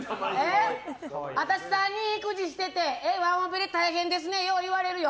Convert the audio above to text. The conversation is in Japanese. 私３人育児しててワンオペで大変ですねよう言われるよ。